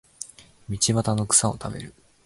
道端の草を食べる